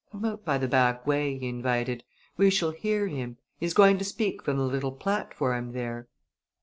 "Come out by the back way," he invited. "We shall hear him. He is going to speak from the little platform there."